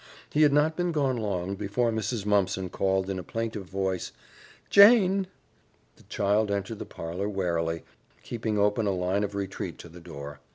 He had not been gone long before Mrs. Mumpson called in a plaintive voice, "Jane!" The child entered the parlor warily, keeping open a line of retreat to the door.